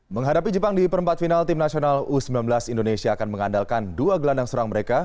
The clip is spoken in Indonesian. menghadapi jepang di perempat final tim nasional u sembilan belas indonesia akan mengandalkan dua gelandang serang mereka